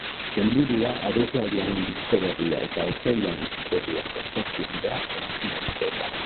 Helburua, abeslariaren disko berria eta otsailean hasiko duen kontzertu bira promozionatzea da.